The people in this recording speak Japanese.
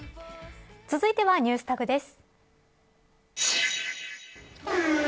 続いてはＮｅｗｓＴａｇです。